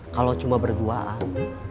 kalau cuma berduaan